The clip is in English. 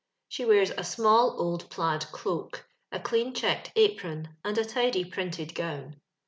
She wears a small, old plaid cloak, a clean checked i^ron, and a tidy printed gown.